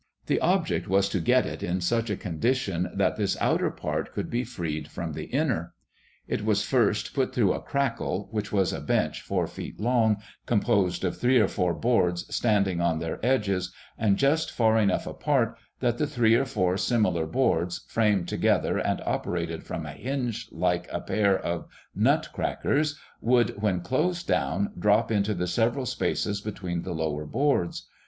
The object was to get it in such a condition that this outer part could be freed from the inner. It was first put through a crackle, which was a bench four feet long, composed of three or four boards standing on their edges and just far enough apart, that three or four similar boards, framed together and operated from a hinge like a pair of nut crackers, would, when closed down, drop into the several spaces between the lower boards.